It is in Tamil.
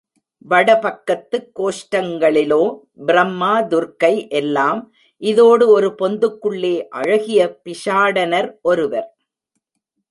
வட பக்கத்துக் கோஷ்டங்களிலோ பிரம்மா, துர்க்கை எல்லாம் இதோடு ஒரு பொந்துக்குள்ளே அழகிய பிக்ஷாடனர் ஒருவர்.